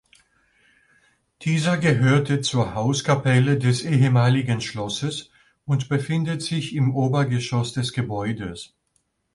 Dieser gehörte zur Hauskapelle des ehemaligen Schlosses und befindet sich im Obergeschoss des Gebäudes.